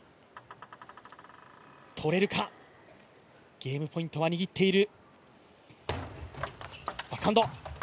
ゲームポイントは握っている。